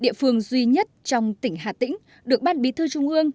địa phương duy nhất trong tỉnh hà tĩnh được ban bí thư trung ương